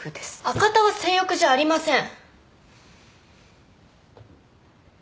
赤田は性欲じゃありません。